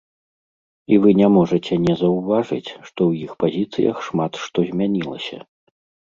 І вы не можаце не заўважыць, што ў іх пазіцыях шмат што змянілася.